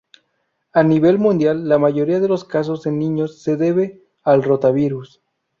A nivel mundial, la mayoría de los casos en niños se debe al rotavirus.